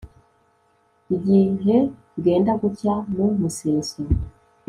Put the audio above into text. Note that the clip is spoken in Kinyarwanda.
igihe bwenda gucya mu museso